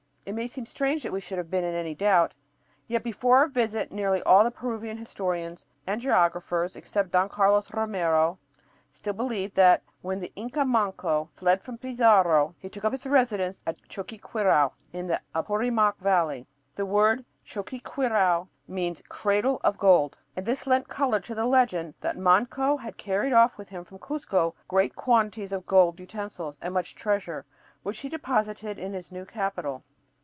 It may seem strange that we should have been in any doubt. Yet before our visit nearly all the Peruvian historians and geographers except Don Carlos Romero still believed that when the Inca Manco fled from Pizarro he took up his residence at Choqquequirau in the Apurimac Valley. The word choqquequirau means "cradle of gold" and this lent color to the legend that Manco had carried off with him from Cuzco great quantities of gold utensils and much treasure, which he deposited in his new capital.